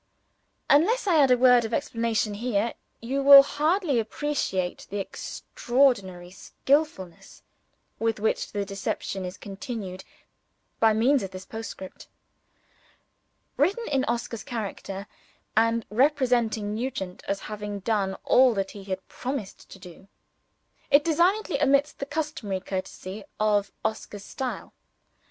Unless I add a word of explanation here, you will hardly appreciate the extraordinary skillfulness with which the deception is continued by means of this postscript. Written in Oscar's character (and representing Nugent as having done all that he had promised me to do) it designedly omits the customary courtesy of Oscar's style.